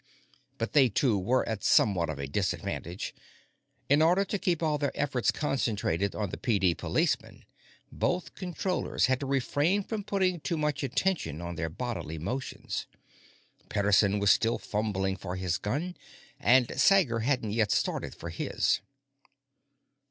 But they, too, were at somewhat of a disadvantage. In order to keep all their efforts concentrated on the PD policeman, both Controllers had to refrain from putting too much attention on their bodily motions. Pederson was still fumbling for his gun, and Sager hadn't yet started for his.